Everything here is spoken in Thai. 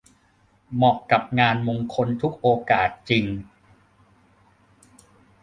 เหมาะกับงานมงคลทุกโอกาสจริง